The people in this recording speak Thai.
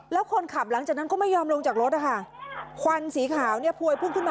แล้วคนขับหลังจากนั้นก็ไม่ยอมลงจากรถนะคะควันสีขาวเนี่ยพวยพุ่งขึ้นมา